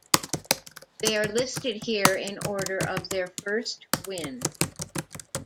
They are listed here in order of their first win.